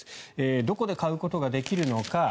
どこで買うことができるのか。